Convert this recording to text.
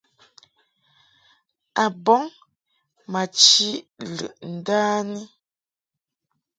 A bɔŋ ma chiʼ lɨʼ ndani.